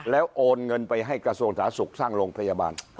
แล้วโอนเงินไปให้กระทรวงสาธารณสุขสร้างโรงพยาบาล